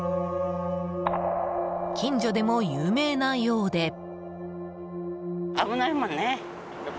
近所でも有名なようで。